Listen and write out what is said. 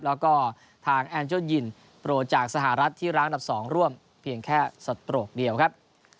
แล้วก็ทางแอนโจ้ยินโปรดจากสหรัฐที่ร้างอันดับ๒ร่วมเพียงแค่สโตรกเดียวครับ